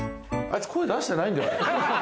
あいつ声出してないんだよ。